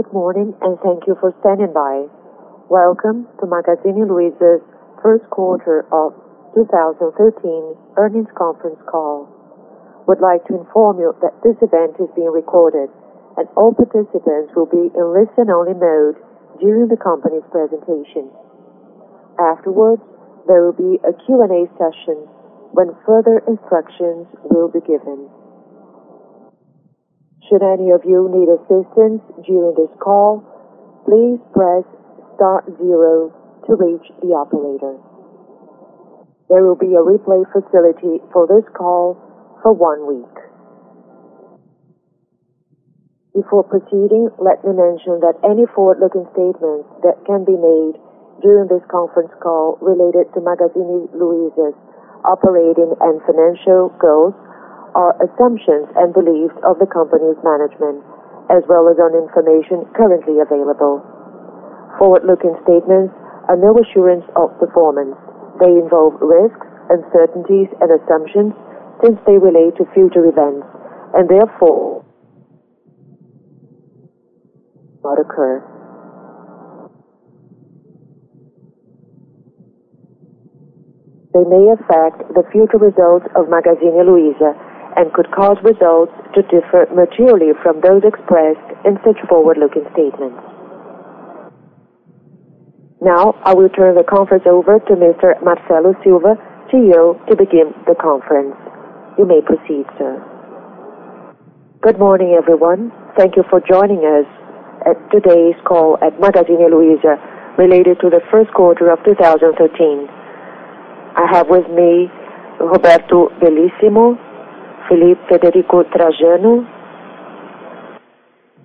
Good morning, and thank you for standing by. Welcome to Magazine Luiza's first quarter of 2013 earnings conference call. We'd like to inform you that this event is being recorded, and all participants will be in listen-only mode during the company's presentation. Afterwards, there will be a Q&A session, when further instructions will be given. Should any of you need assistance during this call, please press star zero to reach the operator. There will be a replay facility for this call for one week. Before proceeding, let me mention that any forward-looking statements that can be made during this conference call related to Magazine Luiza's operating and financial goals are assumptions and beliefs of the company's management, as well as on information currently available. Forward-looking statements are no assurance of performance. They involve risks, uncertainties, and assumptions since they relate to future events, and therefore, not occur. They may affect the future results of Magazine Luiza and could cause results to differ materially from those expressed in such forward-looking statements. I will turn the conference over to Mr. Marcelo Silva, CEO, to begin the conference. You may proceed, sir. Good morning, everyone. Thank you for joining us at today's call at Magazine Luiza related to the first quarter of 2013. I have with me Roberto Bellissimo, Frederico Trajano,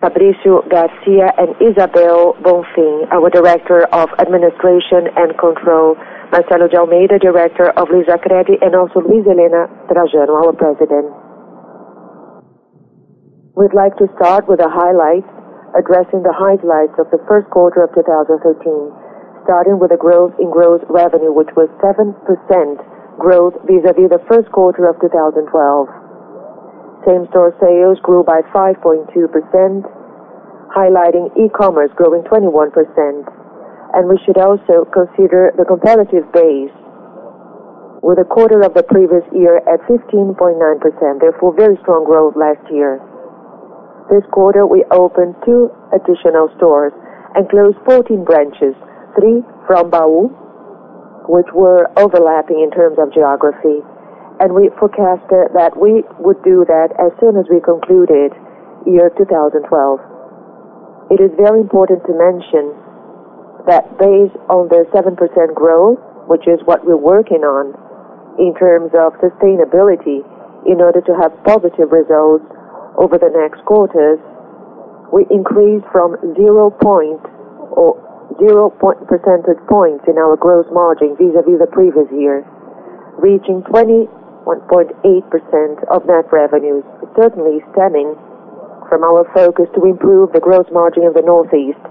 Fabrício Garcia, and Isabel Bonfim, our Director of Administration and Control, Marcelo de Almeida, Director of Luizacred, and also Luiza Helena Trajano, our President. We'd like to start with the highlights, addressing the highlights of the first quarter of 2013, starting with the growth in gross revenue, which was 7% growth vis-à-vis the first quarter of 2012. Same-store sales grew by 5.2%, highlighting e-commerce growing 21%. We should also consider the competitive base with the quarter of the previous year at 15.9%. Very strong growth last year. This quarter, we opened 2 additional stores and closed 14 branches, 3 from Baú, which were overlapping in terms of geography. We forecasted that we would do that as soon as we concluded the year 2012. It is very important to mention that based on the 7% growth, which is what we're working on in terms of sustainability, in order to have positive results over the next quarters, we increased from zero percentage points in our gross margin vis-à-vis the previous year, reaching 21.8% of net revenues. Certainly stemming from our focus to improve the gross margin in the Northeast.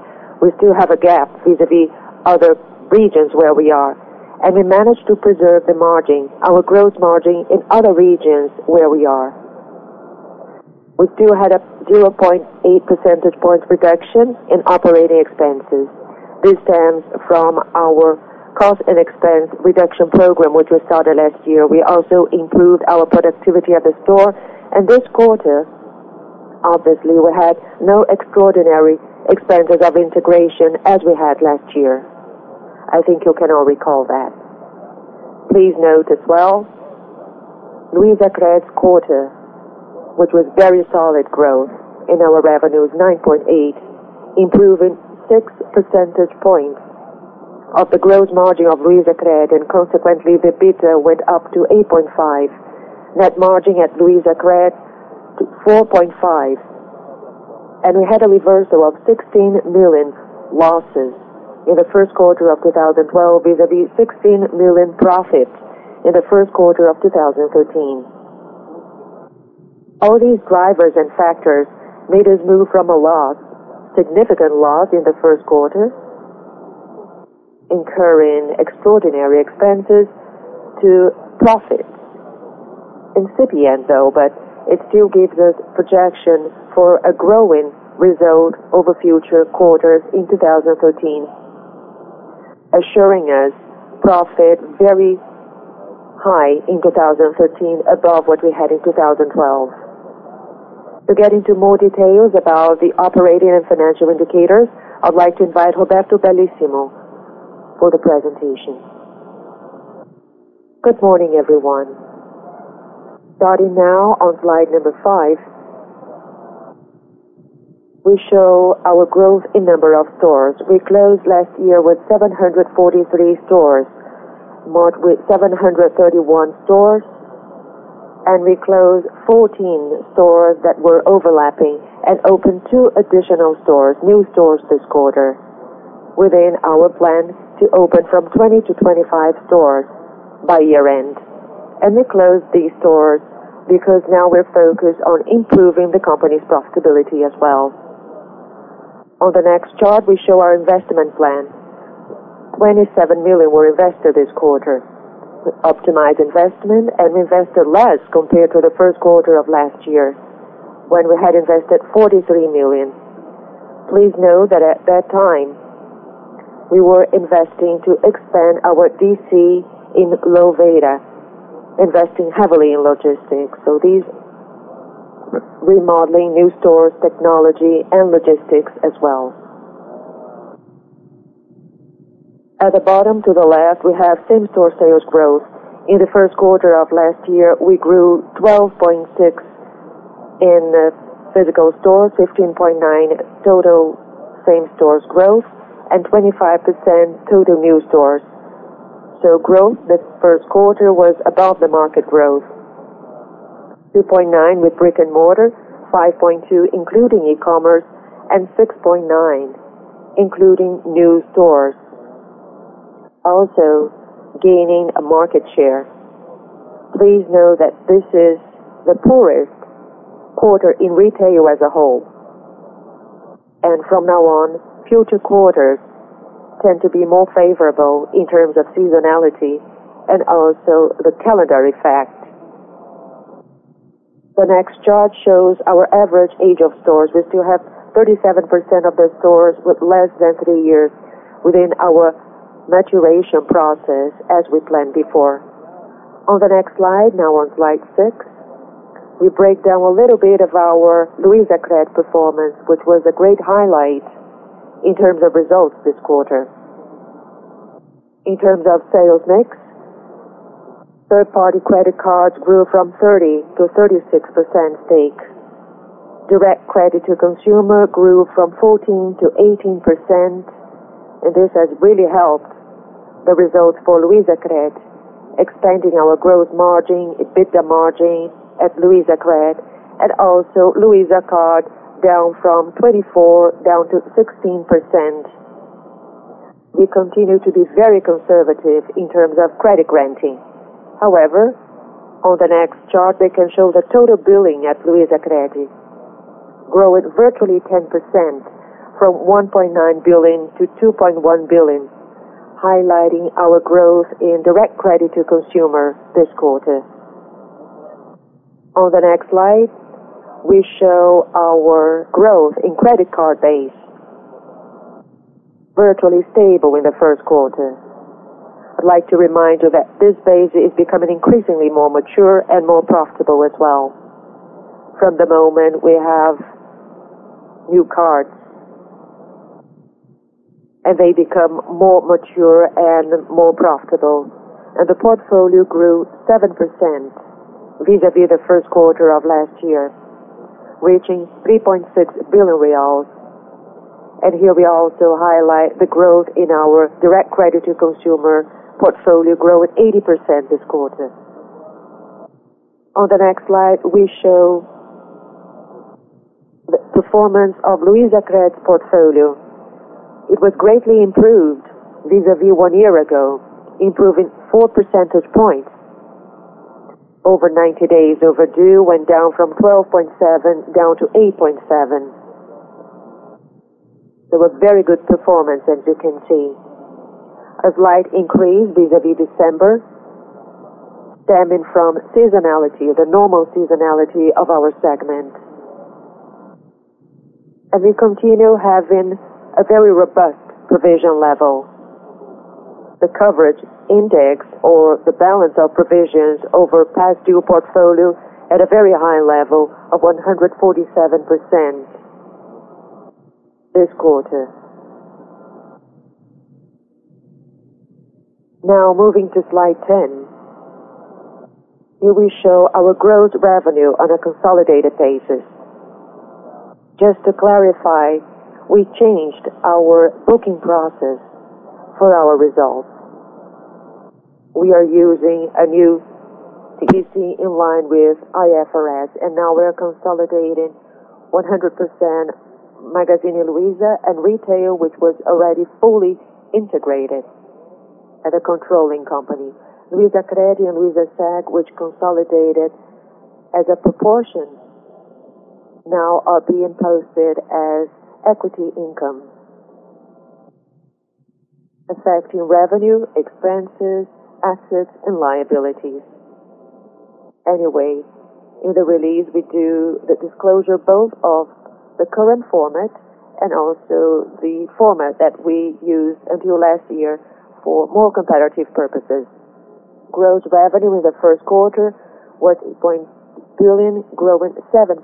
We still have a gap vis-à-vis other regions where we are, and we managed to preserve the margin, our gross margin in other regions where we are. We still had a 0.8 percentage points reduction in operating expenses. This stems from our cost and expense reduction program, which we started last year. We also improved our productivity at the store. This quarter, obviously, we had no extraordinary expenses of integration as we had last year. I think you can all recall that. Please note as well, LuizaCred's quarter, which was very solid growth in our revenues, 9.8, improving six percentage points of the gross margin of LuizaCred, and consequently, the EBITDA went up to 8.5. Net margin at LuizaCred, 4.5. We had a reversal of 16 million losses in the first quarter of 2012 vis-à-vis 16 million profits in the first quarter of 2013. All these drivers and factors made us move from a significant loss in the first quarter, incurring extraordinary expenses, to profits. Incipient though, but it still gives us projection for a growing result over future quarters in 2013, assuring us profit very high in 2013 above what we had in 2012. To get into more details about the operating and financial indicators, I would like to invite Roberto Bellissimo for the presentation. Good morning, everyone. Starting now on slide number five, we show our growth in number of stores. We closed last year with 743 stores, marked with 731 stores, and we closed 14 stores that were overlapping and opened two additional stores, new stores this quarter, within our plan to open from 20-25 stores by year-end. And we closed these stores because now we're focused on improving the company's profitability as well. On the next chart, we show our investment plan. 27 million were invested this quarter. We optimized investment and invested less compared to the first quarter of last year when we had invested 43 million. Please note that at that time, we were investing to expand our DC in Louveira, investing heavily in logistics. So these, remodeling new stores, technology, and logistics as well. At the bottom to the left, we have same-store sales growth. In the first quarter of last year, we grew 12.6% in physical stores, 15.9% total same-stores growth, and 25% total new stores. So growth this first quarter was above the market growth. 2.9% with brick and mortar, 5.2% including e-commerce, and 6.9% including new stores. Also gaining a market share. Please note that this is the poorest quarter in retail as a whole. From now on, future quarters tend to be more favorable in terms of seasonality and also the calendar effect. The next chart shows our average age of stores. We still have 37% of the stores with less than three years within our maturation process as we planned before. On the next slide, now on slide six, we break down a little bit of our Luizacred performance, which was a great highlight in terms of results this quarter. In terms of sales mix, third-party credit cards grew from 30%-36% stake. Direct credit to consumer grew from 14%-18%, and this has really helped the results for Luizacred, expanding our growth margin, EBITDA margin at Luizacred, and also Cartão Luiza down from 24% down to 16%. We continue to be very conservative in terms of credit granting. However, on the next chart, we can show the total billing at Luizacred. Growing virtually 10%, from 1.9 billion-2.1 billion, highlighting our growth in direct credit to consumer this quarter. On the next slide, we show our growth in credit card base. Virtually stable in the first quarter. I'd like to remind you that this base is becoming increasingly more mature and more profitable as well. From the moment we have new cards, and they become more mature and more profitable. And the portfolio grew 7% vis-à-vis the first quarter of last year, reaching 3.6 billion reais. And here we also highlight the growth in our direct credit to consumer portfolio, growing 80% this quarter. On the next slide, we show the performance of Luizacred's portfolio. It was greatly improved vis-à-vis one year ago, improving four percentage points. Over 90 days overdue went down from 12.7% down to 8.7%. It was very good performance, as you can see. A slight increase vis-à-vis December, stemming from seasonality, the normal seasonality of our segment. We continue having a very robust provision level. The coverage index or the balance of provisions over past due portfolio at a very high level of 147% this quarter. Moving to slide 10. We show our gross revenue on a consolidated basis. Just to clarify, we changed our booking process for our results. We are using a new DC in line with IFRS. Now we are consolidating 100% Magazine Luiza and retail, which was already fully integrated at a controlling company. Luizacred and Luizaseg, which consolidated as a proportion, are now being posted as equity income. Affecting revenue, expenses, assets, and liabilities. In the release, we do the disclosure both of the current format and also the format that we used until last year for more comparative purposes. Gross revenue in the first quarter was 8.2 billion, growing 7%.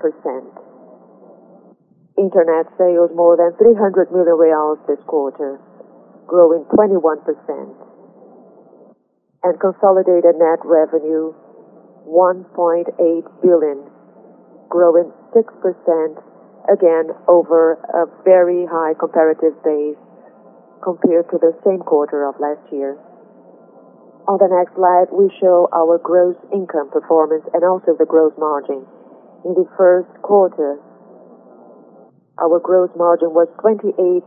Internet sales more than 300 million reais this quarter, growing 21%. Consolidated net revenue, 1.8 billion, growing 6%, again, over a very high comparative base compared to the same quarter of last year. On the next slide, we show our gross income performance and also the gross margin. In the first quarter, our gross margin was 28.2%,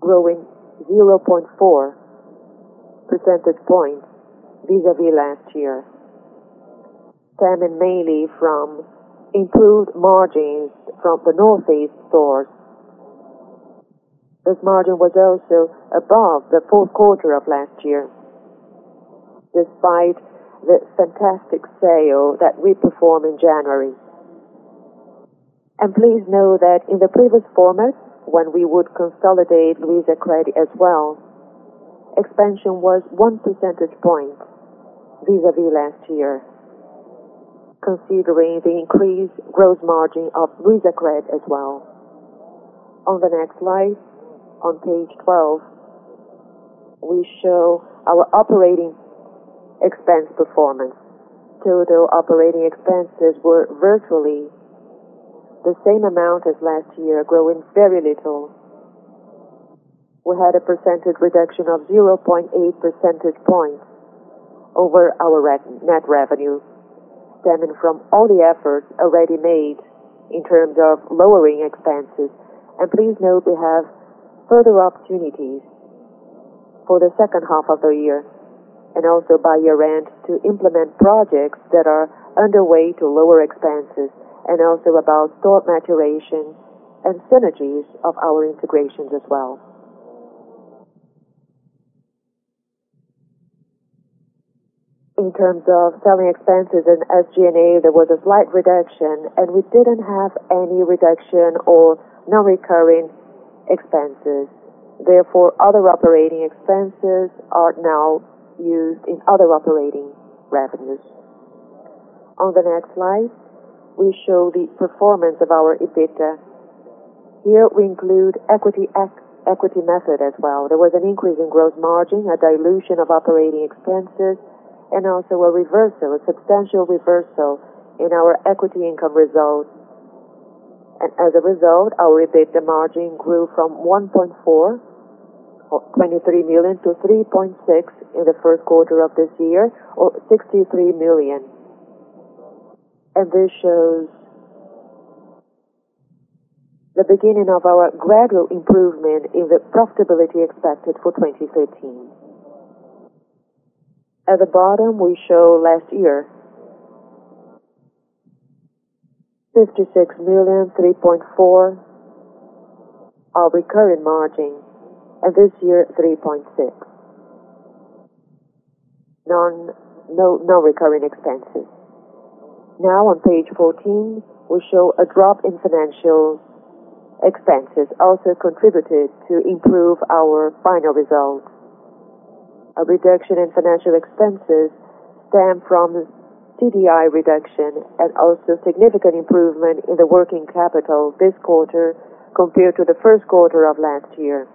growing 0.4 percentage points vis-à-vis last year. Stemming mainly from improved margins from the Northeast stores. This margin was also above the fourth quarter of last year, despite the fantastic sale that we performed in January. Please note that in the previous format, when we would consolidate Luizacred as well, expansion was one percentage point vis-à-vis last year, considering the increased gross margin of Luizacred as well. On the next slide, on page 12, we show our operating expense performance. Total operating expenses were virtually the same amount as last year, growing very little. We had a percentage reduction of 0.8 percentage points over our net revenue stemming from all the efforts already made in terms of lowering expenses. Please note we have further opportunities for the second half of the year and also by year-end to implement projects that are underway to lower expenses and also about store maturation and synergies of our integrations as well. In terms of selling expenses and SG&A, there was a slight reduction. We didn't have any reduction or non-recurring expenses. Therefore, other operating expenses are now used in other operating revenues. On the next slide, we show the performance of our EBITDA. We include equity method as well. There was an increase in gross margin, a dilution of operating expenses, and also a substantial reversal in our equity income results. As a result, our EBITDA margin grew from 1.4% or 23 million to 3.6% in the first quarter of this year or 63 million. This shows the beginning of our gradual improvement in the profitability expected for 2013. At the bottom, we show last year. BRL 56 million, 3.4%, our recurring margin, and this year, 3.6%. No recurring expenses. On page 14, we show a drop in financial expenses also contributed to improve our final results. A reduction in financial expenses stemmed from CDI reduction and also significant improvement in the working capital this quarter compared to the first quarter of last year,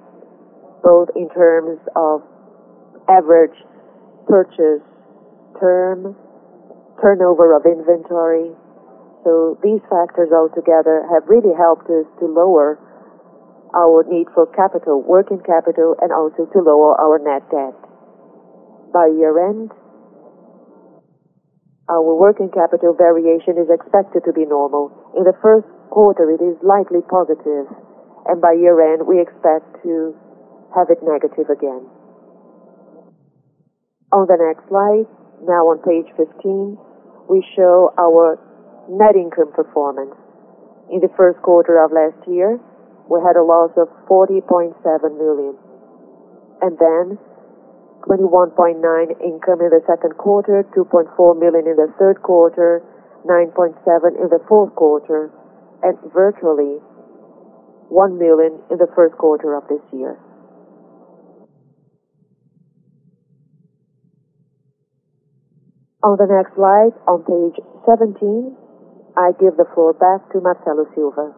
both in terms of average purchase term, turnover of inventory. These factors all together have really helped us to lower our need for working capital and also to lower our net debt. By year-end, our working capital variation is expected to be normal. In the first quarter, it is slightly positive, and by year-end, we expect to have it negative again. On the next slide, now on page 15, we show our net income performance. In the first quarter of last year, we had a loss of 40.7 million, then 21.9 income in the second quarter, 2.4 million in the third quarter, 9.7 million in the fourth quarter, and virtually 1 million in the first quarter of this year. On the next slide, on page 17, I give the floor back to Marcelo Silva.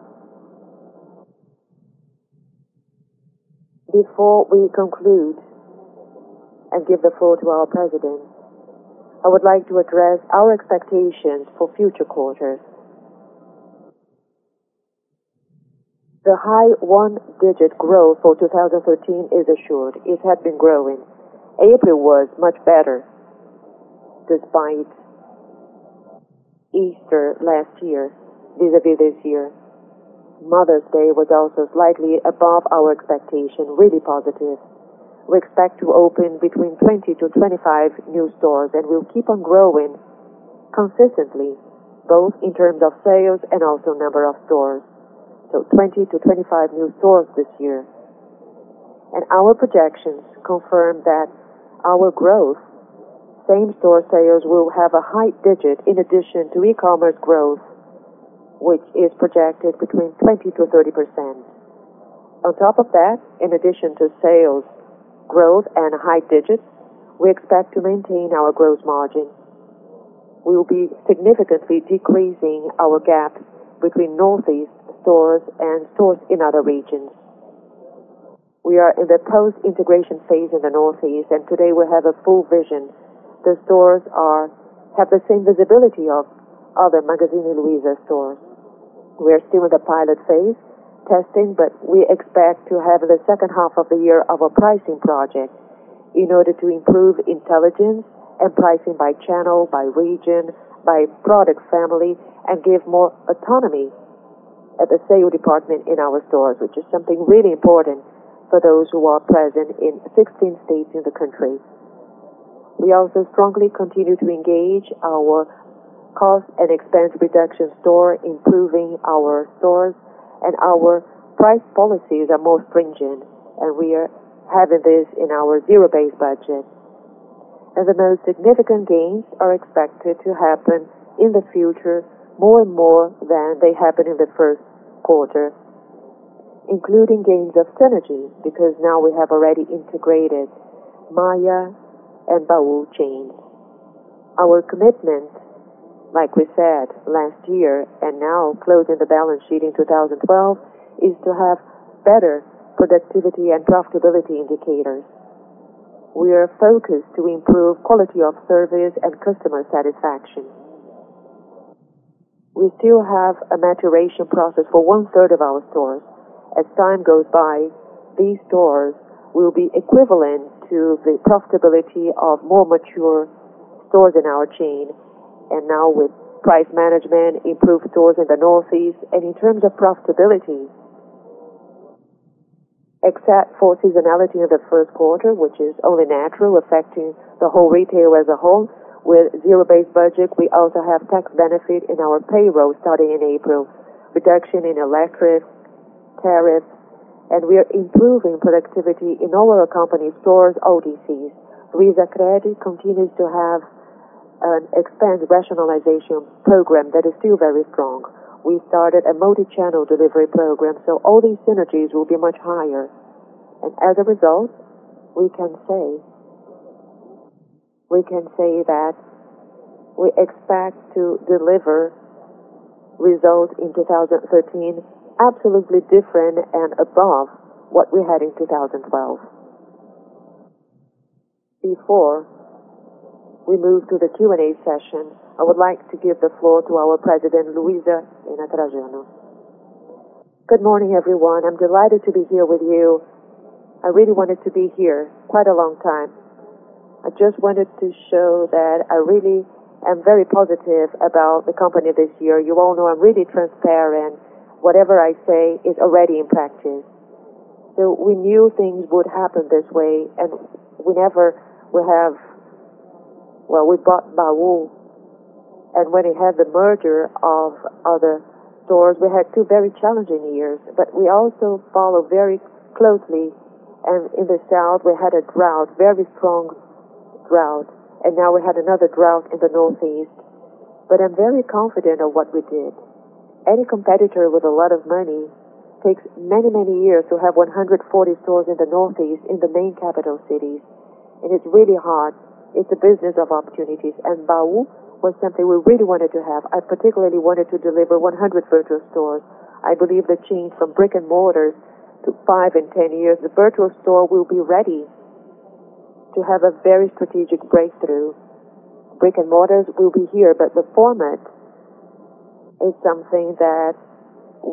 Before we conclude and give the floor to our president, I would like to address our expectations for future quarters. The high single-digit growth for 2013 is assured. It had been growing. April was much better despite Easter last year vis-à-vis this year. Mother's Day was also slightly above our expectation, really positive. We expect to open between 20-25 new stores, and we'll keep on growing consistently, both in terms of sales and also number of stores. 20-25 new stores this year. Our projections confirm that our growth, same-store sales, will have a high digit in addition to e-commerce growth, which is projected between 20%-30%. On top of that, in addition to sales growth and high digits, we expect to maintain our gross margin. We will be significantly decreasing our gap between Northeast stores and stores in other regions. We are in the post-integration phase in the Northeast, and today we have a full vision. The stores have the same visibility of other Magazine Luiza stores. We are still in the pilot phase testing, but we expect to have the second half of the year of a pricing project in order to improve intelligence and pricing by channel, by region, by product family, and give more autonomy at the sale department in our stores, which is something really important for those who are present in 16 states in the country. We also strongly continue to engage our cost and expense reduction store, improving our stores. Our price policies are more stringent. We are having this in our zero-based budget. The most significant gains are expected to happen in the future, more and more than they happened in the first quarter, including gains of synergy, because now we have already integrated Maia and Baú chain. Our commitment, like we said last year and now closing the balance sheet in 2012, is to have better productivity and profitability indicators. We are focused to improve quality of service and customer satisfaction. We still have a maturation process for one-third of our stores. As time goes by, these stores will be equivalent to the profitability of more mature stores in our chain. Now with price management, improved stores in the Northeast. In terms of profitability, except for seasonality in the first quarter, which is only natural, affecting the whole retail as a whole. With zero-based budget, we also have tax benefit in our payroll starting in April, reduction in electric tariffs, and we are improving productivity in all our company stores, ODCs. Luizacred continues to have an expense rationalization program that is still very strong. All these synergies will be much higher. As a result, we can say that we expect to deliver results in 2013 absolutely different and above what we had in 2012. Before we move to the Q&A session, I would like to give the floor to our president, Luiza Helena Trajano. Good morning, everyone. I'm delighted to be here with you. I really wanted to be here quite a long time. I just wanted to show that I really am very positive about the company this year. You all know I'm really transparent. Whatever I say is already in practice. We knew things would happen this way. Well, we bought Baú, and when it had the merger of other stores, we had two very challenging years. We also follow very closely. In the south, we had a drought, very strong drought. Now we had another drought in the northeast. I'm very confident of what we did. Any competitor with a lot of money takes many, many years to have 140 stores in the northeast in the main capital cities, and it's really hard. It's a business of opportunities. Baú was something we really wanted to have. I particularly wanted to deliver 100 virtual stores. I believe the change from brick-and-mortars to five and 10 years, the virtual store will be ready to have a very strategic breakthrough. Brick-and-mortars will be here, but the format is something that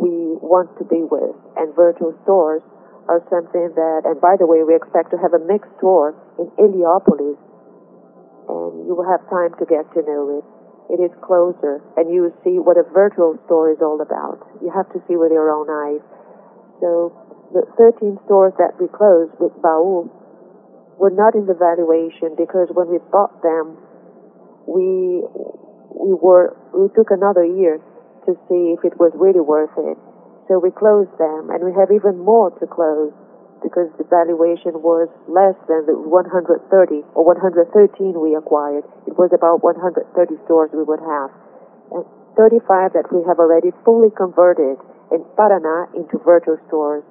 we want to be with. Virtual stores are something that. By the way, we expect to have a mixed store in Heliópolis, and you will have time to get to know it. It is closer, and you will see what a virtual store is all about. You have to see with your own eyes. The 13 stores that we closed with Baú were not in the valuation because when we bought them, we took another year to see if it was really worth it. We closed them, and we have even more to close because the valuation was less than the 130 or 113 we acquired. It was about 130 stores we would have, and 35 that we have already fully converted in Paraná into virtual stores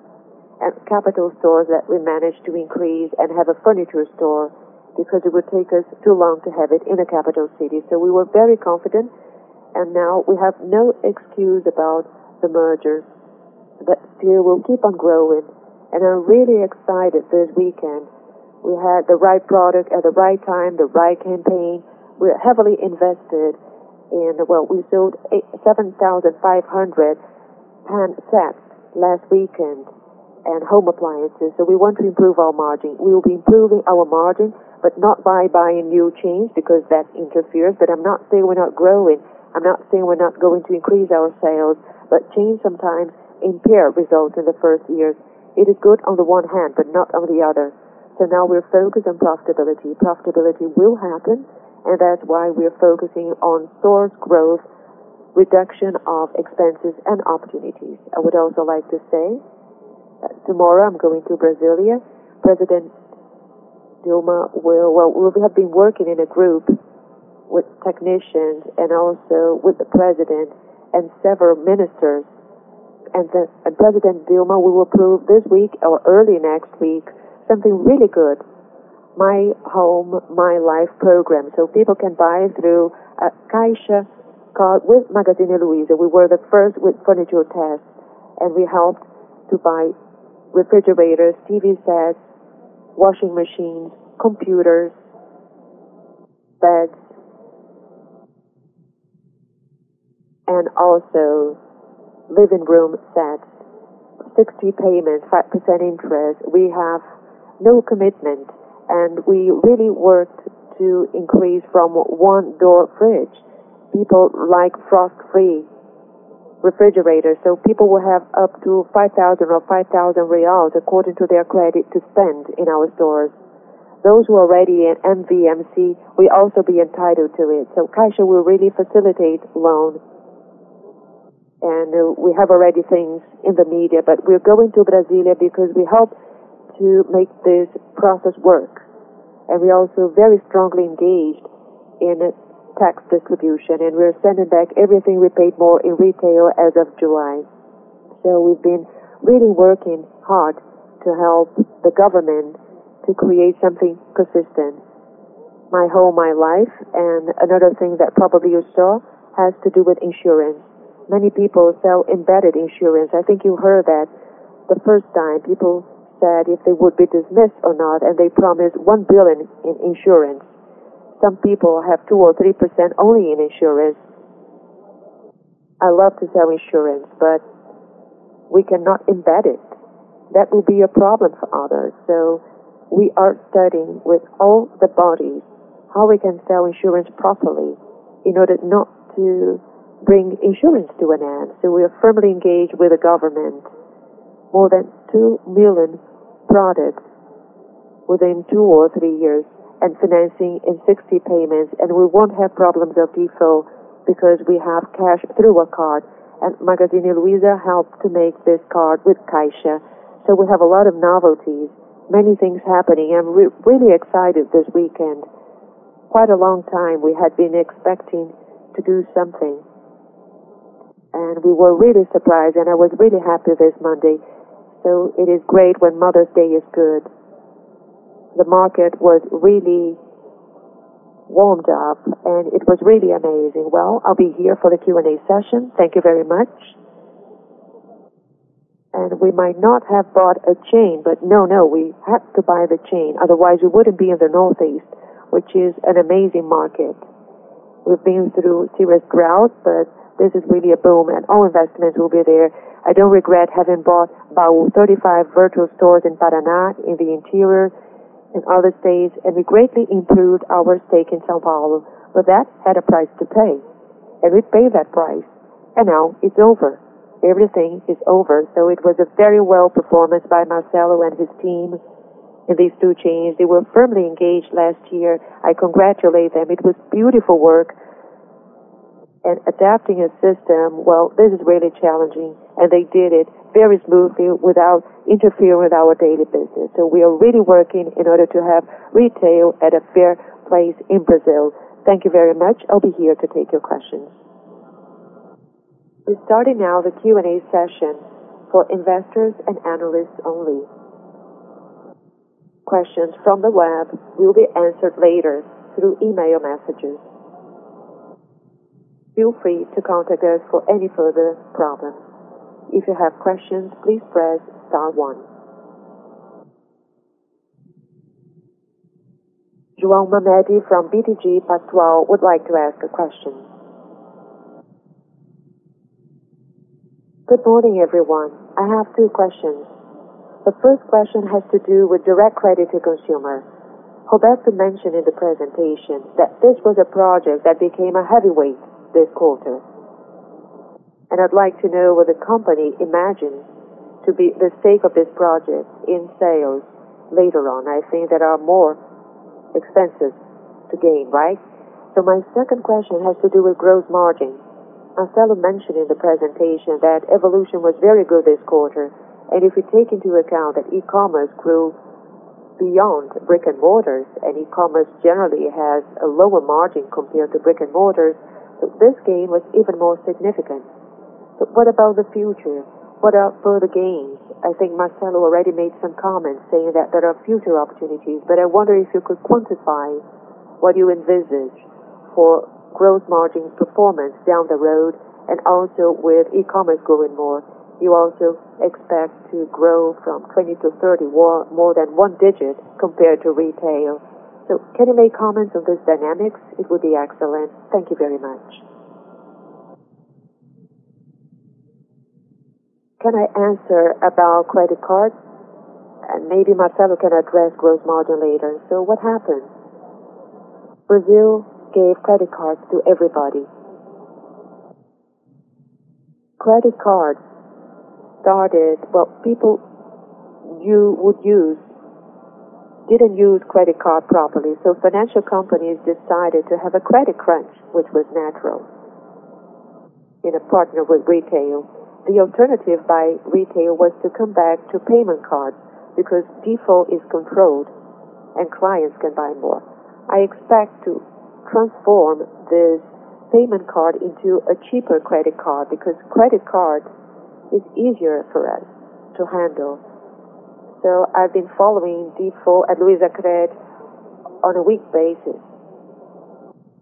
and capital stores that we managed to increase and have a furniture store because it would take us too long to have it in a capital city. We were very confident, now we have no excuse about the merger. Still, we'll keep on growing. I'm really excited this weekend. We had the right product at the right time, the right campaign. Well, we sold 7,500 pan sets last weekend and home appliances. We want to improve our margin. We will be improving our margin, not by buying new chains, because that interferes. I'm not saying we're not growing. I'm not saying we're not going to increase our sales. Chains sometimes impair results in the first years. It is good on the one hand, but not on the other. Now we are focused on profitability. Profitability will happen, that is why we are focusing on stores growth, reduction of expenses, and opportunities. I would also like to say that tomorrow I am going to Brasília. President Dilma will. We have been working in a group with technicians and also with the President and several ministers. President Dilma will approve this week or early next week something really good. Minha Casa, Minha Vida program. People can buy through a Caixa card with Magazine Luiza. We were the first with furniture tests, and we helped to buy refrigerators, TV sets, washing machines, computers, beds, and also living room sets. 60 payments, 5% interest. We have no commitment, and we really worked to increase from one-door fridge. People like frost-free refrigerators. People will have up to 5,000 according to their credit to spend in our stores. Those who are already in MCMV will also be entitled to it. Caixa will really facilitate loans. We have already things in the media, but we are going to Brasilia because we hope to make this process work. We are also very strongly engaged in tax distribution, and we are sending back everything we paid more in retail as of July. We have been really working hard to help the government to create something consistent. Minha Casa, Minha Vida, and another thing that probably you saw has to do with insurance. Many people sell embedded insurance. I think you heard that the first time people said if they would be dismissed or not, and they promised 1 billion in insurance. Some people have 2% or 3% only in insurance. I love to sell insurance, but we cannot embed it. That will be a problem for others. We are studying with all the bodies how we can sell insurance properly in order not to bring insurance to an end. We are firmly engaged with the government. More than 2 million products within two or three years and financing in 60 payments, and we will not have problems of default because we have cash through a card. Magazine Luiza helped to make this card with Caixa. We have a lot of novelties, many things happening, and we are really excited this weekend. Quite a long time, we had been expecting to do something. We were really surprised, and I was really happy this Monday. It is great when Mother's Day is good. The market was really warmed up, and it was really amazing. I will be here for the Q&A session. Thank you very much. We might not have bought a chain, but no, we had to buy the chain. Otherwise, we would not be in the Northeast, which is an amazing market. We have been through serious droughts, but this is really a boom, and all investments will be there. I do not regret having bought about 35 virtual stores in Paraná, in the interior, and other states, and we greatly improved our stake in São Paulo. That had a price to pay, and we paid that price, and now it is over. Everything is over. It was a very well performance by Marcelo and his team in these two chains. They were firmly engaged last year. I congratulate them. It was beautiful work. Adapting a system, well, this is really challenging, and they did it very smoothly without interfering with our daily business. We are really working in order to have retail at a fair place in Brazil. Thank you very much. I'll be here to take your questions. We're starting now the Q&A session for investors and analysts only. Questions from the web will be answered later through email messages. Feel free to contact us for any further problems. If you have questions, please press star one. João Mamede from BTG Pactual would like to ask a question. Good morning, everyone. I have two questions. The first question has to do with direct credit to consumer. Roberto mentioned in the presentation that this was a project that became a heavyweight this quarter. I'd like to know what the company imagines to be the stake of this project in sales later on. I think there are more expenses to gain, right? My second question has to do with gross margin. Marcelo mentioned in the presentation that evolution was very good this quarter, and if you take into account that e-commerce grew beyond brick and mortars, and e-commerce generally has a lower margin compared to brick and mortars, this gain was even more significant. What about the future? What are further gains? I think Marcelo already made some comments saying that there are future opportunities. I wonder if you could quantify what you envisage for growth margin performance down the road, and also with e-commerce growing more, you also expect to grow from 20-30, more than one digit compared to retail. Can you make comments on these dynamics? It would be excellent. Thank you very much. Can I answer about credit cards? Maybe Marcelo can address gross margin later. What happened? Brazil gave credit cards to everybody. People you would use didn't use credit card properly. Financial companies decided to have a credit crunch, which was natural. In a partner with retail, the alternative by retail was to come back to payment cards because default is controlled and clients can buy more. I expect to transform this payment card into a cheaper credit card because credit card is easier for us to handle. I've been following default at Luizacred on a week basis.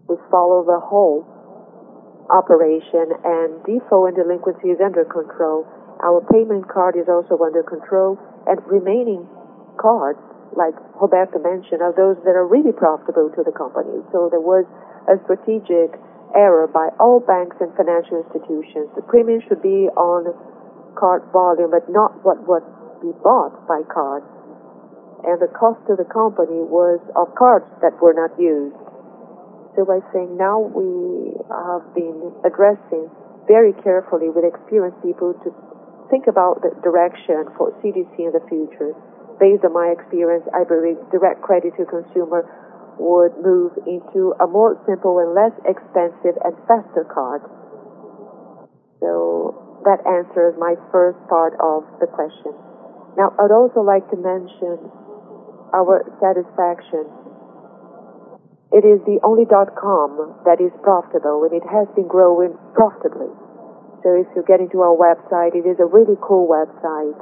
We follow the whole operation, and default and delinquency is under control. Our payment card is also under control. Remaining Cards, like Roberto mentioned, are those that are really profitable to the company. There was a strategic error by all banks and financial institutions. The premium should be on card volume, but not what would be bought by card. The cost to the company was of cards that were not used. By saying now we have been addressing very carefully with experienced people to think about the direction for CDC in the future. Based on my experience, I believe direct credit to consumer would move into a more simple and less expensive and faster card. That answers my first part of the question. I'd also like to mention our satisfaction. It is the only dotcom that is profitable, and it has been growing profitably. If you get into our website, it is a really cool website.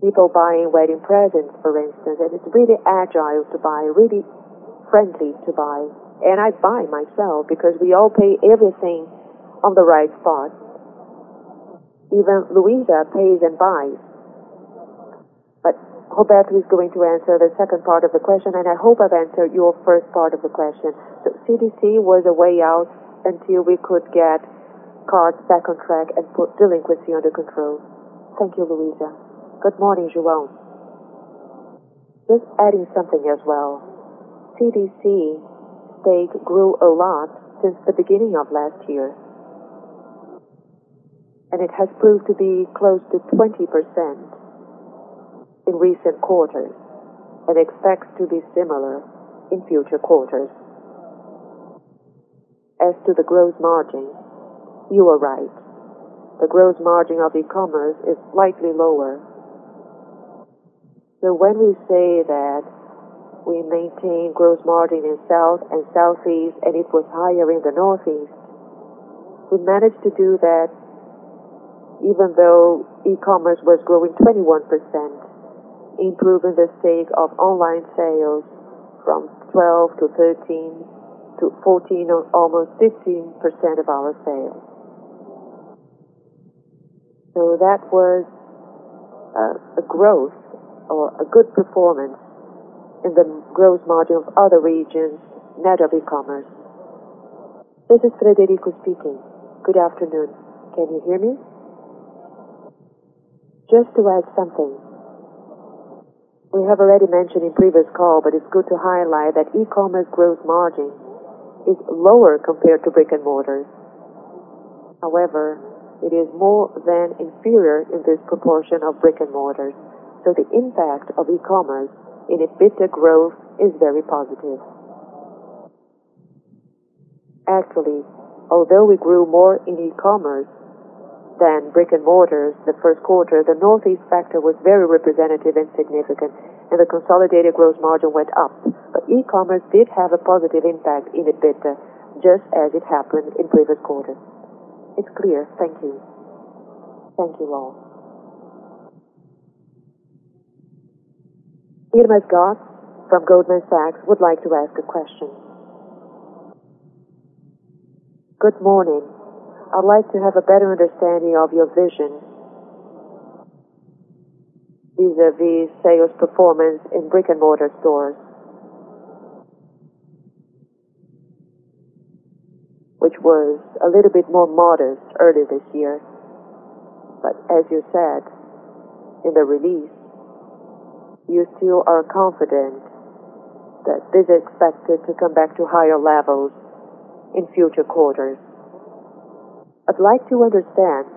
People buying wedding presents, for instance, it's really agile to buy, really friendly to buy. I buy myself because we all pay everything on the right spot. Even Luiza pays and buys. Roberto is going to answer the second part of the question, and I hope I've answered your first part of the question. CDC was a way out until we could get cards back on track and put delinquency under control. Thank you, Luiza. Good morning, João. Just adding something as well. CDC stake grew a lot since the beginning of last year. It has proved to be close to 20% in recent quarters and expects to be similar in future quarters. As to the gross margin, you are right. The gross margin of e-commerce is slightly lower. When we say that we maintain gross margin in South and Southeast, and it was higher in the Northeast, we managed to do that even though e-commerce was growing 21%, improving the stake of online sales from 12% to 13% to 14% or almost 15% of our sales. That was a growth or a good performance in the gross margin of other regions net of e-commerce. This is Frederico speaking. Good afternoon. Can you hear me? Just to add something. We have already mentioned in previous call, but it's good to highlight that e-commerce gross margin is lower compared to brick and mortar. It is more than offset in this proportion of brick and mortar. The impact of e-commerce in EBITDA growth is very positive. Actually, although we grew more in e-commerce than brick and mortar the first quarter, the Northeast factor was very representative and significant, and the consolidated gross margin went up. E-commerce did have a positive impact in EBITDA, just as it happened in previous quarters. It's clear. Thank you. Thank you João. Irma Sgarz from Goldman Sachs would like to ask a question. Good morning. I'd like to have a better understanding of your vision vis-a-vis sales performance in brick and mortar stores, which was a little bit more modest earlier this year. As you said in the release, you still are confident that this is expected to come back to higher levels in future quarters. I'd like to understand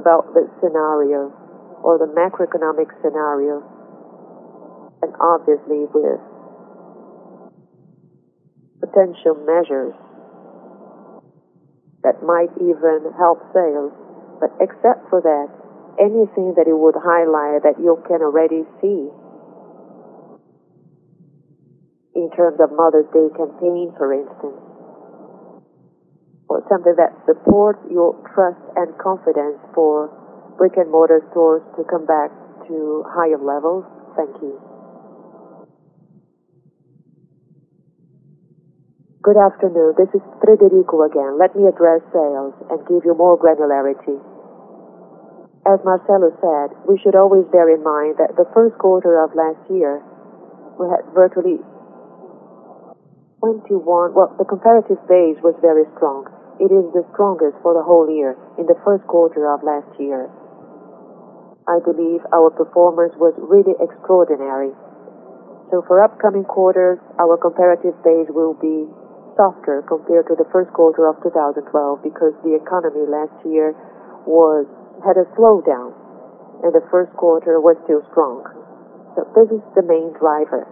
about the scenario or the macroeconomic scenario, and obviously with potential measures that might even help sales. Except for that, anything that you would highlight that you can already see in terms of Mother's Day campaign, for instance, or something that supports your trust and confidence for brick and mortar stores to come back to higher levels? Thank you. Good afternoon. This is Frederico again. Let me address sales and give you more granularity. As Marcelo said, we should always bear in mind that the first quarter of last year, we had virtually one to one. The comparative base was very strong. It is the strongest for the whole year in the first quarter of last year. I believe our performance was really extraordinary. For upcoming quarters, our comparative base will be softer compared to the first quarter of 2012 because the economy last year had a slowdown, and the first quarter was still strong. This is the main driver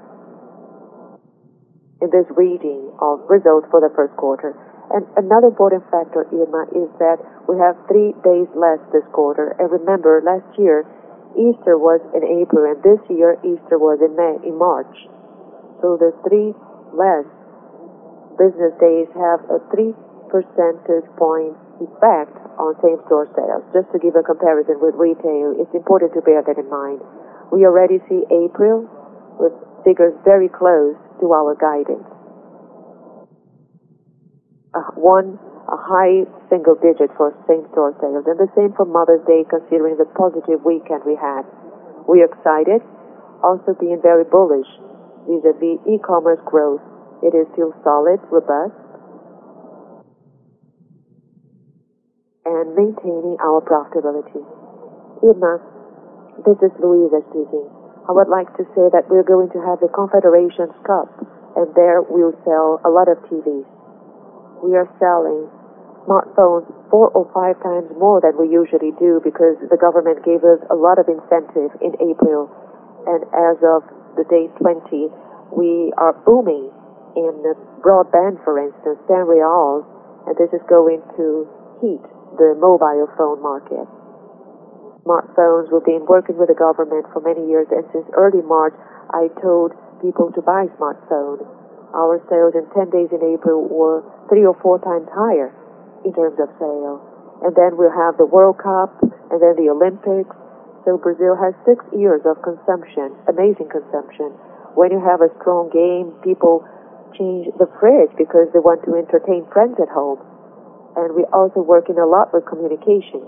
in this reading of results for the first quarter. Another important factor, Irma, is that we have 3 days less this quarter. Remember, last year, Easter was in April, and this year, Easter was in March. The 3 less business days have a 3 percentage point impact on same-store sales. Just to give a comparison with retail, it's important to bear that in mind. We already see April with figures very close to our guidance. One high single digit for same-store sales. The same for Mother's Day, considering the positive weekend we had. We are excited, also being very bullish vis-à-vis e-commerce growth. It is still solid, robust, and maintaining our profitability. Irma, this is Luiza speaking. I would like to say that we're going to have the Confederations Cup, and there we'll sell a lot of TVs. We are selling smartphones 4 or 5 times more than we usually do because the government gave us a lot of incentive in April. As of the day 20, we are booming in the broadband, for instance, BRL 10, and this is going to hit the mobile phone market. Smartphones, we've been working with the government for many years, and since early March, I told people to buy smartphones. Our sales in 10 days in April were 3 or 4 times higher in terms of sale. Then we'll have the World Cup and then the Olympics. Brazil has 6 years of consumption, amazing consumption. When you have a strong game, people change the fridge because they want to entertain friends at home. We're also working a lot with communication.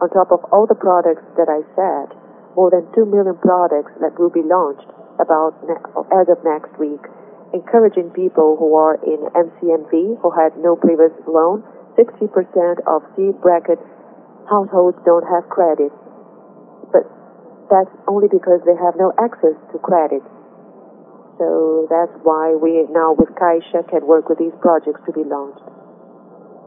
On top of all the products that I said, more than 2 million products that will be launched as of next week, encouraging people who are in MCMV, who had no previous loan. 60% of C-bracket households don't have credit. That's only because they have no access to credit. That's why we now with Caixa can work with these projects to be launched.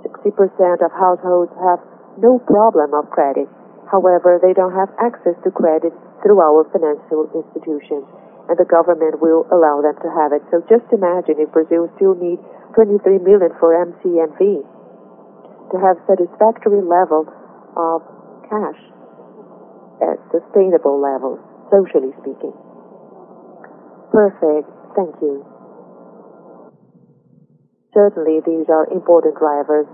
60% of households have no problem of credit. However, they don't have access to credit through our financial institutions, and the government will allow them to have it. Just imagine if Brazil still needs 23 million for MCMV to have satisfactory levels of cash at sustainable levels, socially speaking. Perfect. Thank you. Certainly, these are important drivers.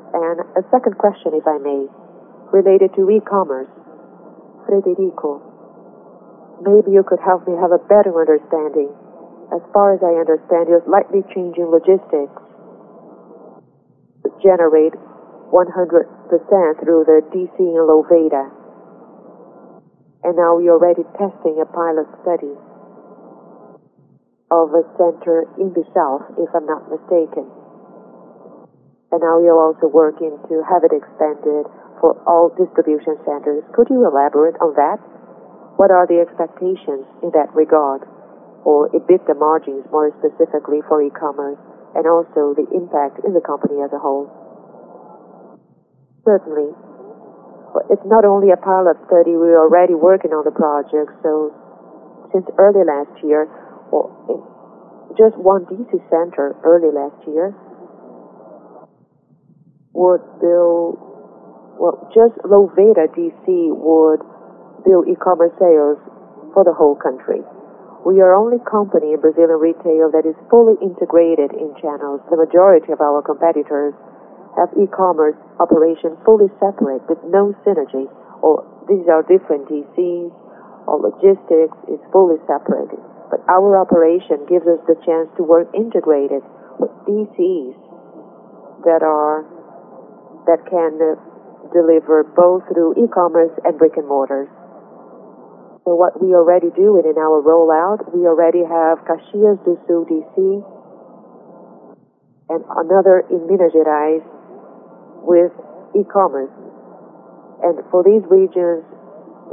A second question, if I may, related to e-commerce. Frederico, maybe you could help me have a better understanding. As far as I understand, you're slightly changing logistics. Generate 100% through the DC in Louveira. Now we are already testing a pilot study of a center in the South, if I'm not mistaken. Now you're also working to have it expanded for all distribution centers. Could you elaborate on that? What are the expectations in that regard, or EBITDA margins, more specifically for e-commerce, and also the impact in the company as a whole? Certainly. It's not only a pilot study. We are already working on the project. Since early last year, just 1 DC center early last year would build. Just Louveira DC would build e-commerce sales for the whole country. We are the only company in Brazilian retail that is fully integrated in channels. The majority of our competitors have e-commerce operations fully separate with no synergy, or these are different DCs, or logistics is fully separated. Our operation gives us the chance to work integrated with DCs that can deliver both through e-commerce and brick and mortars. What we already do in our rollout, we already have Caxias do Sul DC and another in Minas Gerais with e-commerce. For these regions,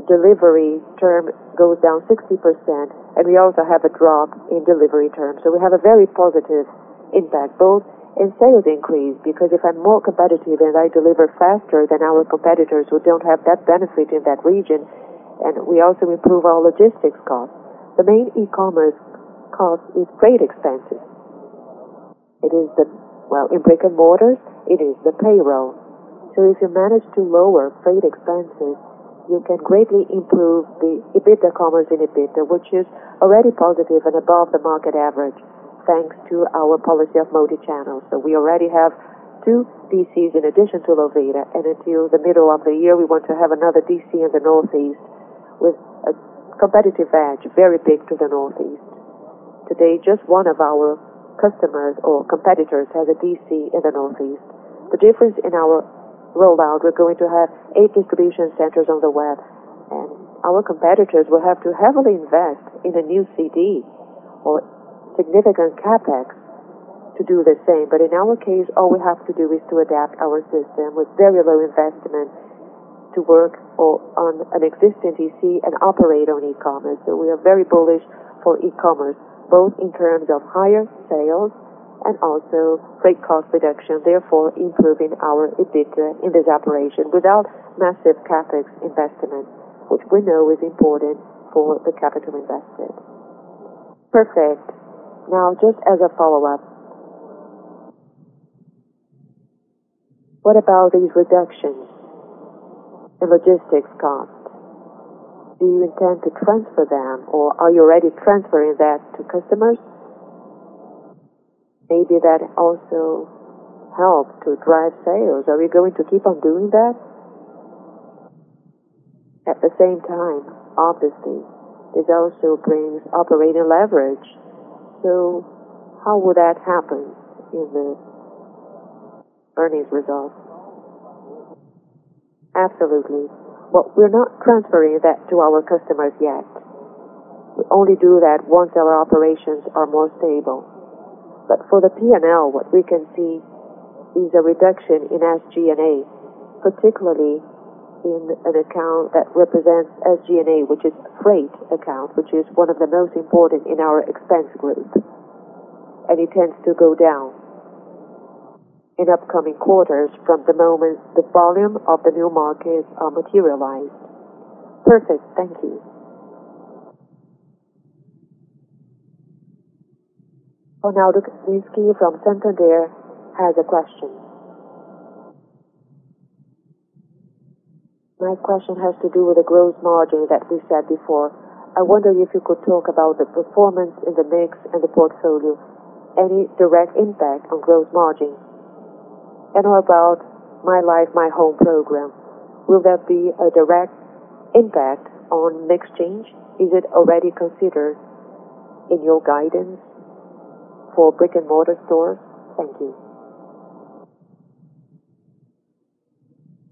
the delivery term goes down 60%, and we also have a drop in delivery terms. We have a very positive impact both in sales increase, because if I'm more competitive and I deliver faster than our competitors who don't have that benefit in that region, and we also improve our logistics costs. The main e-commerce cost is freight expenses. In brick and mortars, it is the payroll. If you manage to lower freight expenses, you can greatly improve the EBITDA commerce in EBITDA, which is already positive and above the market average, thanks to our policy of multi-channel. We already have two DCs in addition to Louveira, and until the middle of the year, we want to have another DC in the Northeast with a competitive edge, very big to the Northeast. Today, just one of our customers or competitors has a DC in the Northeast. The difference in our rollout, we're going to have eight distribution centers on the web, and our competitors will have to heavily invest in a new CD or significant CapEx to do the same. In our case, all we have to do is to adapt our system with very low investment to work on an existing DC and operate on e-commerce. We are very bullish for e-commerce, both in terms of higher sales and also freight cost reduction, therefore improving our EBITDA in this operation without massive CapEx investment, which we know is important for the capital invested. Perfect. Now, just as a follow-up, what about these reductions in logistics costs? Do you intend to transfer them, or are you already transferring that to customers? Maybe that also helps to drive sales. Are we going to keep on doing that? At the same time, obviously, this also brings operating leverage. How will that happen in the earnings results? Absolutely. We're not transferring that to our customers yet. We only do that once our operations are more stable. For the P&L, what we can see is a reduction in SG&A, particularly in an account that represents SG&A, which is freight account, which is one of the most important in our expense group, and it tends to go down in upcoming quarters from the moment the volume of the new markets are materialized. Perfect. Thank you. Ronaldo Kasinsky from Santander has a question. My question has to do with the gross margin that we said before. I wonder if you could talk about the performance in the mix and the portfolio. Any direct impact on gross margin? How about Minha Casa, Minha Vida program. Will there be a direct impact on mix change? Is it already considered in your guidance for brick-and-mortar stores? Thank you.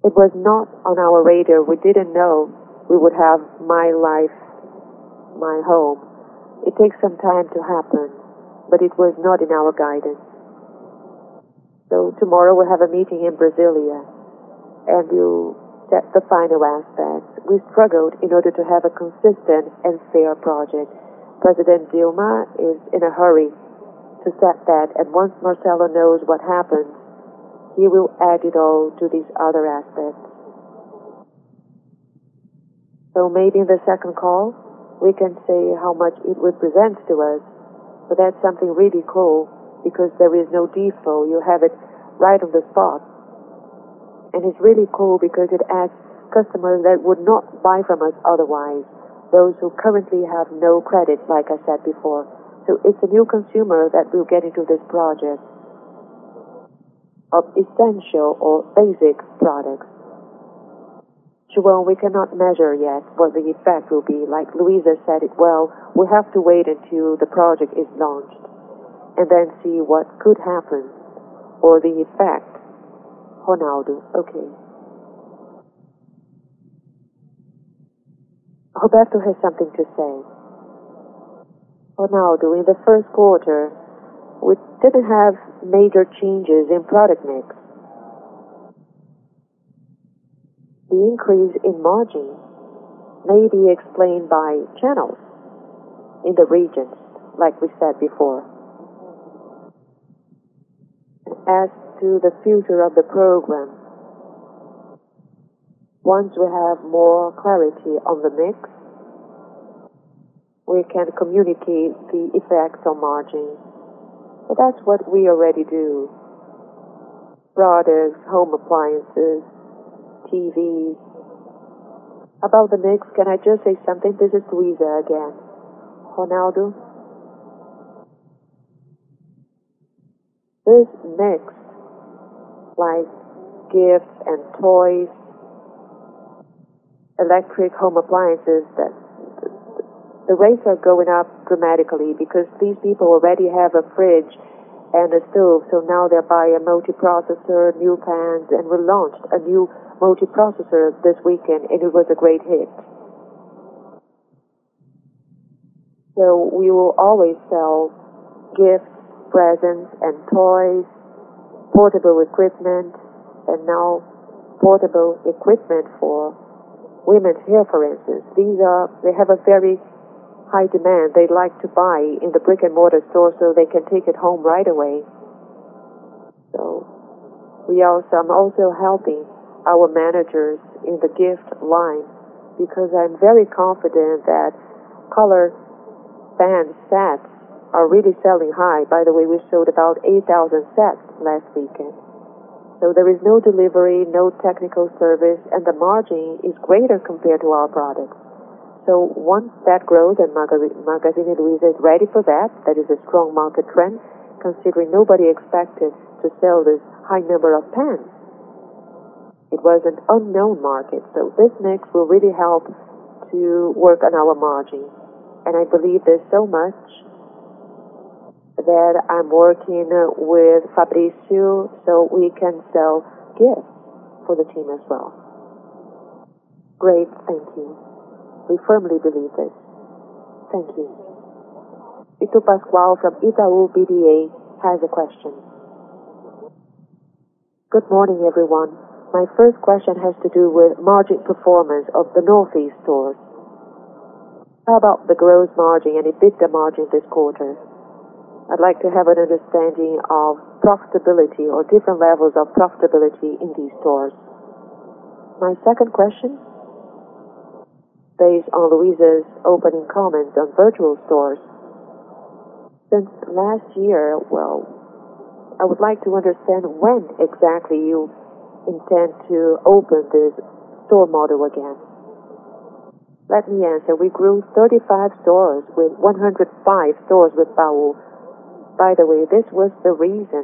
It was not on our radar. We didn't know we would have Minha Casa, Minha Vida. It takes some time to happen, but it was not in our guidance. Tomorrow we'll have a meeting in Brasília, and we'll set the final aspects. President Dilma is in a hurry to set that, and once Marcelo knows what happens, he will add it all to these other aspects. Maybe in the second call, we can say how much it represents to us. That's something really cool because there is no default. You have it right on the spot. It's really cool because it adds customers that would not buy from us otherwise, those who currently have no credit, like I said before. It's a new consumer that will get into this project of essential or basic products. João, we cannot measure yet what the effect will be. Like Luiza said it well, we have to wait until the project is launched and then see what could happen or the effect. Ronaldo, okay. Roberto has something to say. Ronaldo, in the first quarter, we didn't have major changes in product mix. The increase in margin may be explained by channels in the regions, like we said before. As to the future of the program, once we have more clarity on the mix, we can communicate the effects on margins. That's what we already do. Products, home appliances, TVs. About the mix, can I just say something? This is Luiza again. Ronaldo. This mix, like gifts and toys, electric home appliances, the rates are going up dramatically because these people already have a fridge and a stove. Now they're buying a multiprocessor, new pans, and we launched a new multiprocessor this weekend, and it was a great hit. We will always sell gifts, presents, and toys, portable equipment, and now portable equipment for women's hair, for instance. They have a very high demand. They like to buy in the brick-and-mortar store so they can take it home right away. I'm also helping our managers in the gift line because I'm very confident that color pan sets are really selling high. By the way, we sold about 8,000 sets last weekend. There is no delivery, no technical service, and the margin is greater compared to our products. Once that grows, and Magazine Luiza is ready for that is a strong market trend, considering nobody expected to sell this high number of pans. It was an unknown market. This mix will really help to work on our margin. I believe this so much that I'm working with Fabrício so we can sell gifts for the team as well. Great. Thank you. We firmly believe this. Thank you. [Ricardo Pascow] from Itaú BBA has a question. Good morning, everyone. My first question has to do with margin performance of the Northeast stores. How about the gross margin and EBITDA margin this quarter? I'd like to have an understanding of profitability or different levels of profitability in these stores. My second question, based on Luiza's opening comments on virtual stores. Since last year, I would like to understand when exactly you intend to open this store model again. Let me answer. We grew 35 stores with 105 stores with Baú. By the way, this was the reason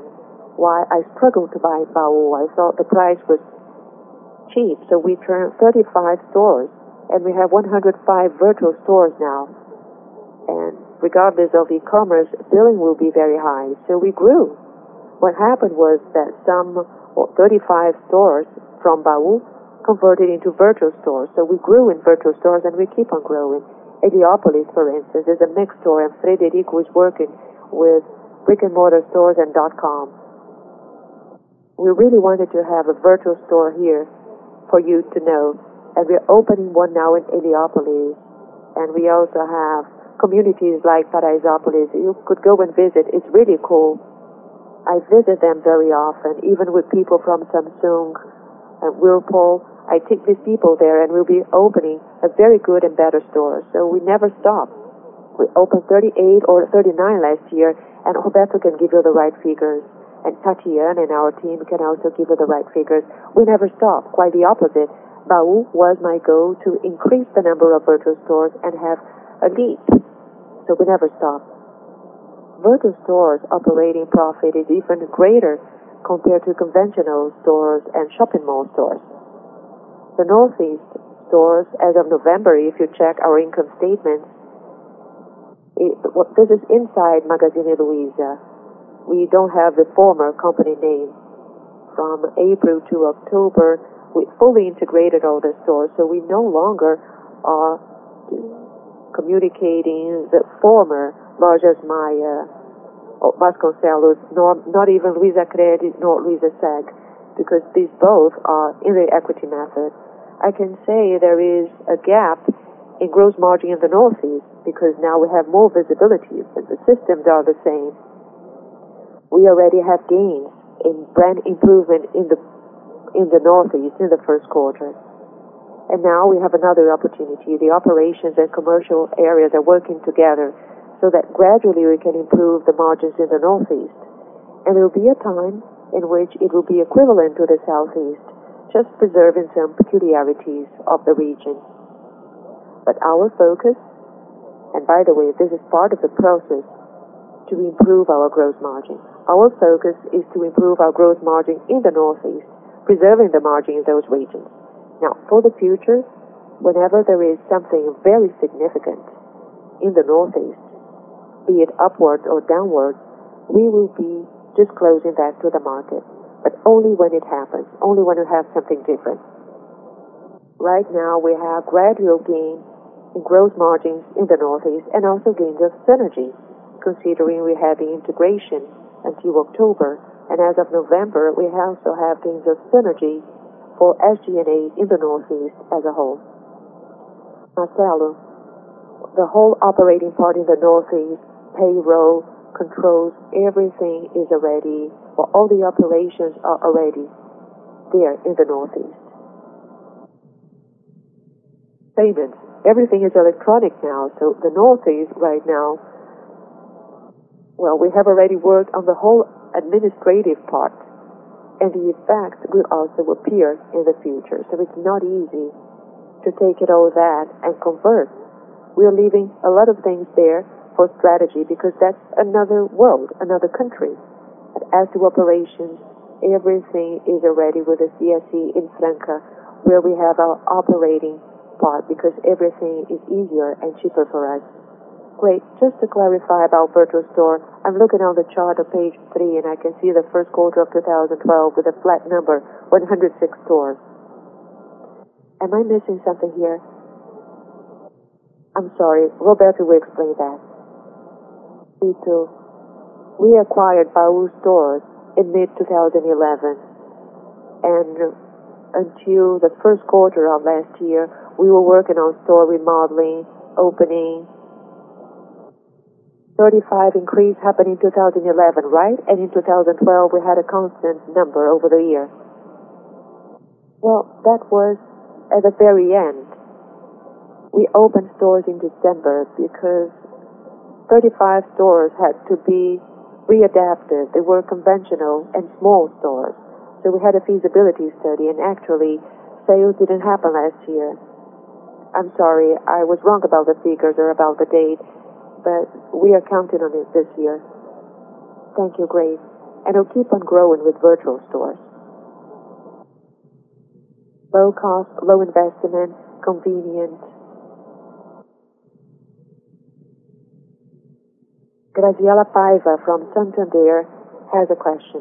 why I struggled to buy Baú. I thought the price was cheap. We turned 35 stores, and we have 105 virtual stores now. Regardless of e-commerce, billing will be very high. We grew. What happened was that some 35 stores from Baú converted into virtual stores. We grew in virtual stores, and we keep on growing. Heliópolis, for instance, is a mixed store, and Frederico is working with brick-and-mortar stores and .com. We really wanted to have a virtual store here for you to know, and we are opening one now in Heliópolis, and we also have communities like Paraisópolis. You could go and visit. It's really cool. I visit them very often, even with people from Samsung and Whirlpool. I take these people there, and we will be opening a very good and better store. We never stop. We opened 38 or 39 last year. Roberto can give you the right figures, and Tatiana and our team can also give you the right figures. We never stop. Quite the opposite. Baú was my go to increase the number of virtual stores and have a leap. We never stop. Virtual stores' operating profit is even greater compared to conventional stores and shopping mall stores. The Northeast stores, as of November, if you check our income statements. This is inside Magazine Luiza. We don't have the former company name. From April to October, we fully integrated all the stores, so we no longer are communicating the former Lojas Maia or Vasconcelos, not even Luizacred, nor Luizaseg, because these both are in the equity method. I can say there is a gap in gross margin in the Northeast because now we have more visibility, but the systems are the same. We already have gains in brand improvement in the Northeast in the first quarter. Now we have another opportunity. The operations and commercial areas are working together so that gradually we can improve the margins in the Northeast. There will be a time in which it will be equivalent to the Southeast, just preserving some peculiarities of the region. Our focus, and by the way, this is part of the process to improve our gross margin. Our focus is to improve our gross margin in the Northeast, preserving the margin in those regions. For the future, whenever there is something very significant in the Northeast, be it upwards or downwards, we will be disclosing that to the market. Only when it happens, only when you have something different. Right now, we have gradual gains in gross margins in the Northeast and also gains of synergy, considering we had the integration until October. As of November, we also have gains of synergy for SG&A in the Northeast as a whole. Marcelo, the whole operating part in the Northeast, payroll, controls, everything is ready. Well, all the operations are ready there in the Northeast. Payments, everything is electronic now. The Northeast right now. Well, we have already worked on the whole administrative part, and the effects will also appear in the future. It's not easy to take all that and convert. We are leaving a lot of things there for strategy because that's another world, another country. As to operations, everything is ready with the CSE in Franca, where we have our operating part because everything is easier and cheaper for us. Great. Just to clarify about virtual store, I'm looking on the chart on page three, and I can see the first quarter of 2012 with a flat number, 106 stores. Am I missing something here? I'm sorry. Roberto will explain that. Me too. We acquired Baú Stores in mid-2011, and until the first quarter of last year, we were working on store remodeling, opening. 35 increase happened in 2011, right? And in 2012, we had a constant number over the year. That was at the very end. We opened stores in December because 35 stores had to be readapted. They were conventional and small stores. We had a feasibility study, and actually, sales didn't happen last year. I'm sorry. I was wrong about the figures or about the date, we are counting on it this year. Thank you, Grace. We'll keep on growing with virtual stores. Low cost, low investment, convenient. Graziella Paiva from Santander has a question.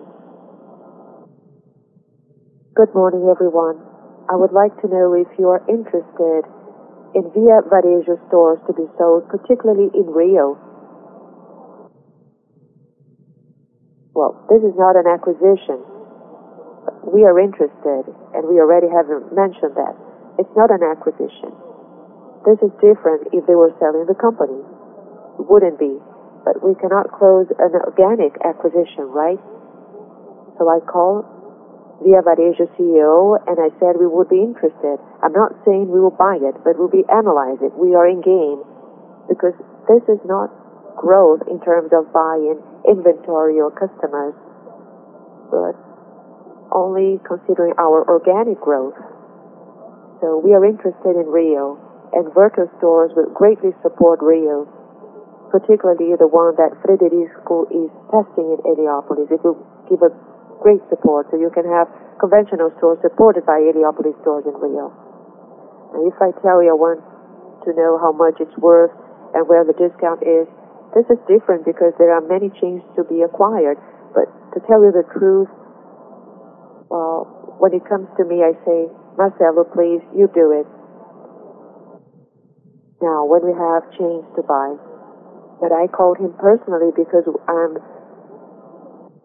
Good morning, everyone. I would like to know if you are interested in Via Varejo stores to be sold, particularly in Rio. This is not an acquisition. We are interested, and we already have mentioned that. It's not an acquisition. This is different if they were selling the company. It wouldn't be. We cannot close an organic acquisition, right? I called Via Varejo CEO, and I said we would be interested. I'm not saying we will buy it, but we'll be analyzing. We are in game because this is not growth in terms of buying inventory or customers, but only considering our organic growth. We are interested in Rio, and vertical stores will greatly support Rio, particularly the one that Frederico is testing in Heliópolis. It will give us great support. You can have conventional stores supported by Heliópolis stores in Rio. If I tell you I want to know how much it's worth and where the discount is, this is different because there are many chains to be acquired. To tell you the truth, when it comes to me, I say, "Marcelo, please, you do it." When we have chains to buy, that I called him personally because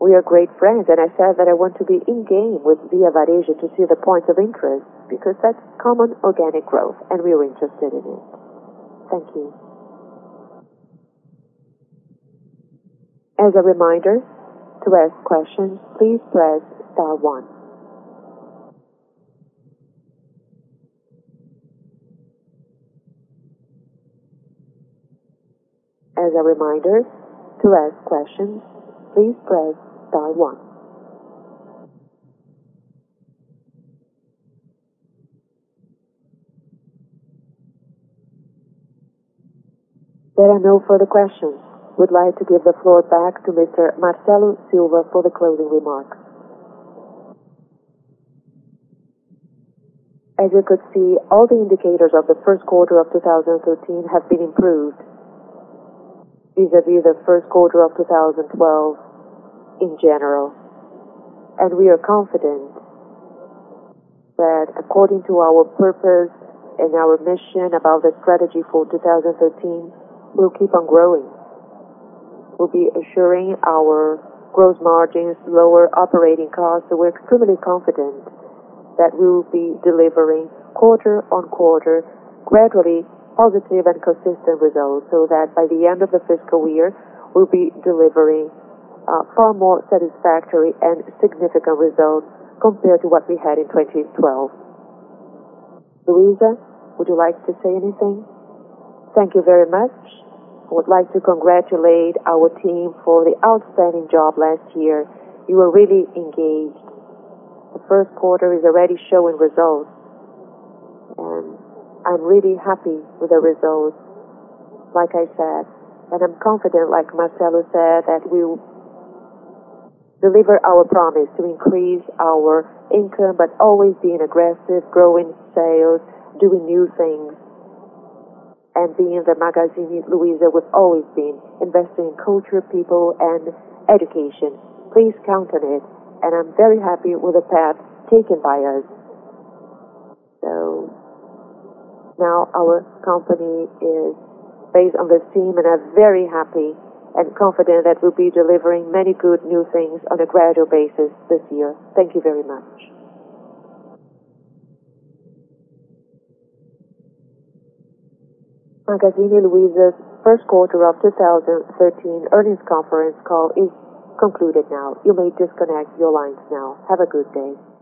we are great friends, and I said that I want to be in-game with Via Varejo to see the points of interest, because that's common organic growth, and we are interested in it. Thank you. As a reminder, to ask questions, please press star one. As a reminder, to ask questions, please press star one. There are no further questions. Would like to give the floor back to Mr. Marcelo Silva for the closing remarks. As you could see, all the indicators of the first quarter of 2013 have been improved vis-à-vis the first quarter of 2012 in general. We are confident that according to our purpose and our mission about the strategy for 2013, we'll keep on growing. We'll be assuring our gross margins, lower operating costs. We're extremely confident that we will be delivering quarter on quarter, gradually positive and consistent results, so that by the end of the fiscal year, we'll be delivering far more satisfactory and significant results compared to what we had in 2012. Luiza, would you like to say anything? Thank you very much. I would like to congratulate our team for the outstanding job last year. You were really engaged. The first quarter is already showing results. I'm really happy with the results, like I said. I'm confident, like Marcelo said, that we will deliver our promise to increase our income, but always being aggressive, growing sales, doing new things, and being the Magazine Luiza we've always been, investing in culture, people, and education. Please count on it, and I'm very happy with the path taken by us. Now our company is based on this team, and I'm very happy and confident that we'll be delivering many good new things on a gradual basis this year. Thank you very much. Magazine Luiza's first quarter of 2013 earnings conference call is concluded now. You may disconnect your lines now. Have a good day.